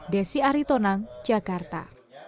desi aritonang jakarta